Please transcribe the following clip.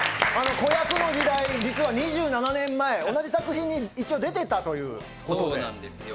子役の時代、実は２７年前、同じ作品に出ていたという。